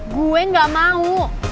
gue gak mau